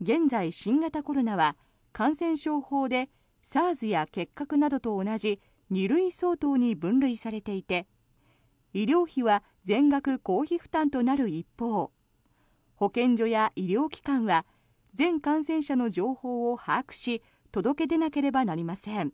現在、新型コロナは感染症法でＳＡＲＳや結核などと同じ２類相当に分類されていて医療費は全額公費負担となる一方保健所や医療機関は全感染者の情報を把握し届け出なければなりません。